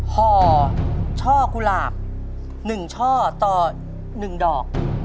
ห่อช่อกุหลาบ๑ช่อต่อ๑ดอก